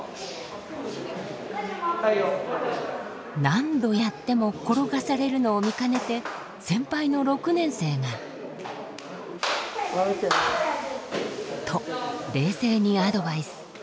何度やっても転がされるのを見かねて先輩の６年生が。と冷静にアドバイス。